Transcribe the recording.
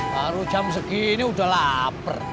baru jam segini udah lapar